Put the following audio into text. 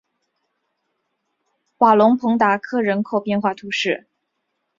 瓦龙蓬达尔克人口变化图示